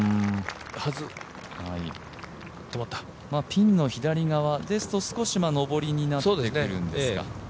ピンの左側ですと少し上りになってくるんですが。